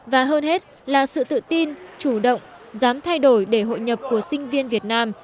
và hơn hết là sự tự tin chủ động dám thay đổi để hội nhập của sinh viên việt nam